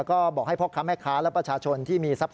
หนูก็บอกว่าน้องเขาเกรไปปิดประตู